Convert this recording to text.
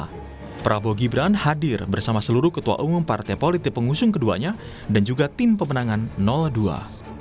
kpu menyatakan prabowo subianto dan gibran raka berlangsung di gedung kpu jakarta